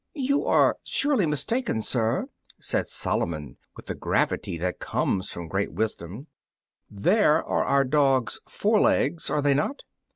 "You are surely mistaken, sir," said Solomon, with the gravity that comes from great wisdom, "these are our dog's fore legs, are they not?"